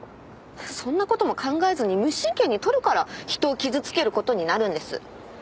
そんな事も考えずに無神経に撮るから人を傷つける事になるんです。